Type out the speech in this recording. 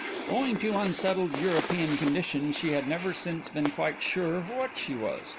Owing to unsettled European conditions she had never since been quite sure what she was.